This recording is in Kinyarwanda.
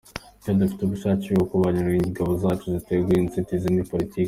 Twe dufite ubushake bwo kubarwanya, ingabo zacu ziriteguye inzitizi ni politiki.